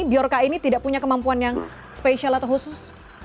biorca ini tidak punya kemampuan yang spesial atau khusus